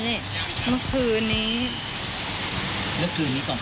คุยสองสามคำว่าเขาโทรมาอารวาสอีกแล้วนะแม่